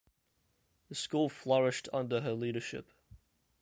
The school flourished under her leadership.